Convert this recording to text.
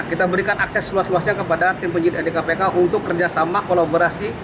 kita berikan akses luas luasnya kepada tim penyidik dari kpk untuk kerjasama kolaborasi